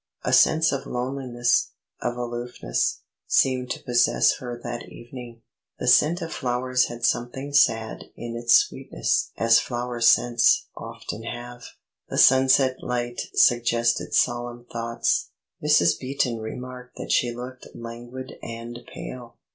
A sense of loneliness, of aloofness, seemed to possess her that evening. The scent of flowers had something sad in its sweetness (as flower scents often have); the sunset light suggested solemn thoughts. Mrs. Beaton remarked that she looked languid and pale.